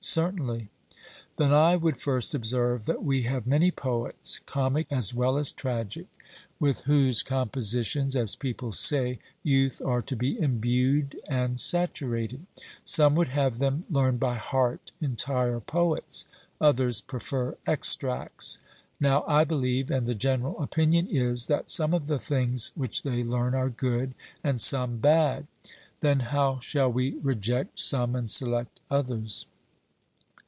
'Certainly.' Then I would first observe that we have many poets, comic as well as tragic, with whose compositions, as people say, youth are to be imbued and saturated. Some would have them learn by heart entire poets; others prefer extracts. Now I believe, and the general opinion is, that some of the things which they learn are good, and some bad. 'Then how shall we reject some and select others?'